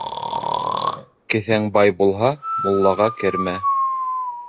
Кеҫәң бай булһа, муллаға кермә.